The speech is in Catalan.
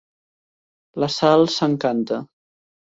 La Sal s'encanta.